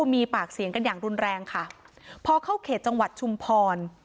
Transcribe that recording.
มีปากเสียงกันอย่างรุนแรงค่ะพอเข้าเขตจังหวัดชุมพร